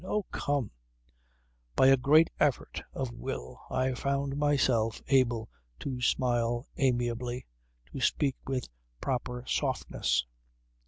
Oh come ..." By a great effort of will I found myself able to smile amiably, to speak with proper softness.